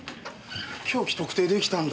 凶器特定出来たんだ。